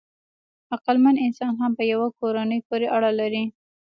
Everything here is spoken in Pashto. عقلمن انسان هم په یوه کورنۍ پورې اړه لري.